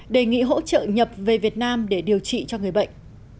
đề nghị hỗ trợ nhập về việt nam để điều trị cho người bệnh